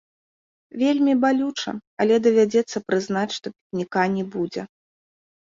Вельмі балюча, але давядзецца прызнаць, што пікніка не будзе.